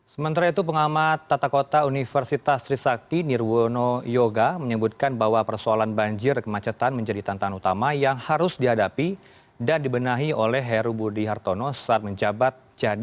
sementara itu pengamat tata kota universitas trisakti nirwono yoga menyebutkan bahwa persoalan banjir kemacetan menjadi tantangan utama yang harus dihadapi dan dibenahi oleh heru budi hartono saat menjabat jadi